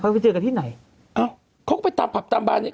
ไปเจอกันที่ไหนอ้าวเขาก็ไปตามผับตามบานนี้